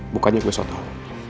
bukannya gue sotoh